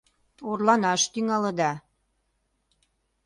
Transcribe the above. Орланаш тӱҥалыда...